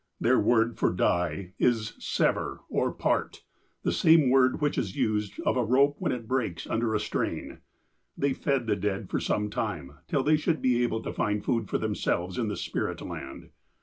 Their word for "die" is "sever" or "part" — the same word which is used of a rope when it breaks under a strain. They fed the dead for some time, till they should be able to find food for themselves in the spirit land.